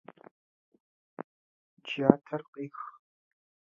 Так было и нынче.